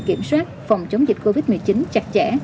kiểm soát phòng chống dịch covid một mươi chín chặt chẽ